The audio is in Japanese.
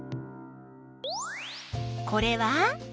これは？